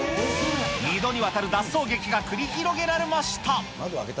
２度にわたる脱走劇が繰り広げられました。